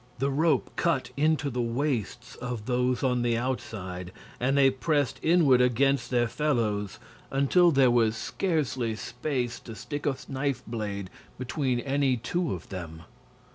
The rope cut into the waists of those on the outside, and they pressed inward against their fellows until there was scarcely space to stick a knife blade between any two of them.